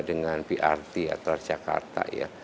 dengan prt atau jakarta ya